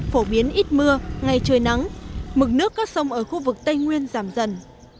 phổ biến ít mưa ngày trời nắng mực nước các sông ở khu vực tây nguyên giảm dần